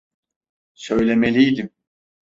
Söylemeliydim.